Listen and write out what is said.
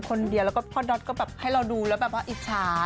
คนเดียวแล้วก็พ่อดอทก็แบบให้เราดูแล้วแบบว่าอิจฉา